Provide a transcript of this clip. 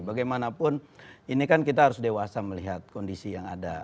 bagaimanapun ini kan kita harus dewasa melihat kondisi yang ada